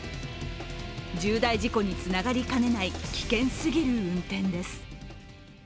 重大事故につながりかねない危険すぎる運転です。